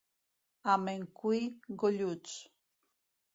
A Mencui, golluts.